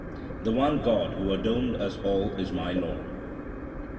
The one God who adorned us all is my Lord.